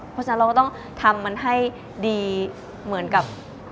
เพราะฉะนั้นเราก็ต้องทำมันให้ดีเหมือนกับ